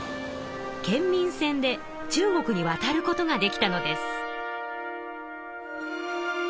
遣明船で中国に渡ることができたのです。